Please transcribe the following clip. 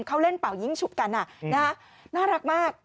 เขาเล่นเป่ายิ้งฉุบกันน่ารักมาก